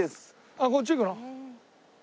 あっこっち行くの？